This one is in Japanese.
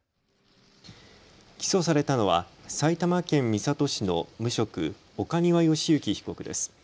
起訴されたのは埼玉県三郷市の無職、岡庭由征被告です。